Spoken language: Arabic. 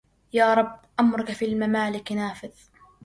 يا رب أمرك في الممالك نافذ